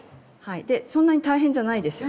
そんなに大変じゃないですよね？